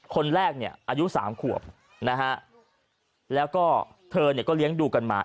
คนแรกอายุ๓ขวบแล้วก็เธอก็เลี้ยงดูกันหมา